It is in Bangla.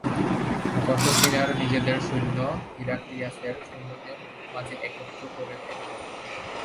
গাসসানীরা নিজেদের সৈন্য হিরাক্লিয়াসের সৈন্যের মাঝে একত্র করে দেয়।